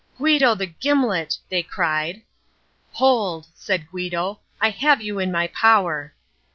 "Guido the Gimlet!" they cried. "Hold," said Guido, "I have you in my power!!"